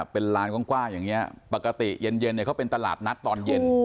เป็นร้านกว้างกว้างอย่างเงี้ยปกติเย็นเย็นเนี้ยเขาเป็นตลาดนัดตอนเย็น